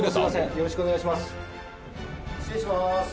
よろしくお願いします